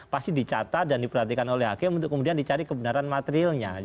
pasti dicatat dan diperhatikan oleh hakim untuk kemudian dicari kebenaran materialnya